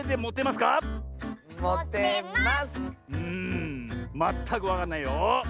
まったくわかんないよ。